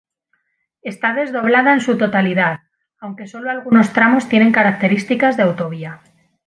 Está desdoblada en su totalidad, aunque solo algunos tramos tienen características de autovía.